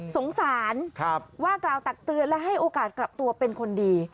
สงสารว่ากล่าวตักเตือนและให้โอกาสกลับตัวเป็นคนดี